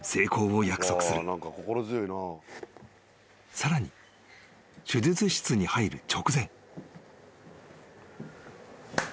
［さらに手術室に入る直前］